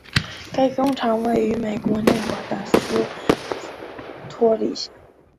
该工厂位于美国内华达州斯托里县。